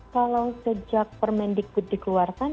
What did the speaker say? kalau sejak permendikbud dikeluarkan